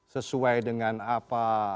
sesuai dengan apa